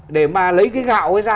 để mà lấy cái gạo ấy ra